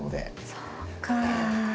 そうか。